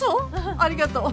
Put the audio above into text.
ありがとう。